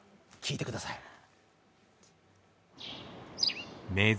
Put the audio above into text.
聴いてください。